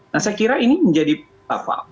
nah saya kira ini menjadi apa